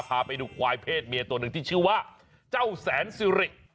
พาไปดูควายเพศเมียตัวหนึ่งที่ชื่อว่าเจ้าแสนซิริ